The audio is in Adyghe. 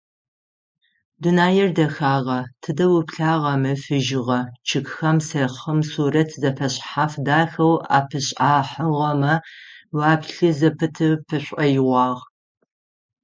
Дунаир дэхагъэ: тыдэ уплъагъэми фыжьыгъэ, чъыгхэм сэхъым сурэт зэфэшъхьаф дахэу апишӏахьыгъэмэ уяплъы зэпыты пшӏоигъуагъ.